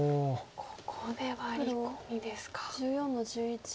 ここでワリコミですか。